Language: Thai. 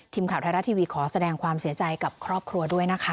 ทีมข่าวไทยรัฐทีวีขอแสดงความเสียใจกับครอบครัวด้วยนะคะ